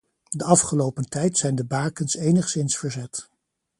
De afgelopen tijd zijn de bakens enigszins verzet.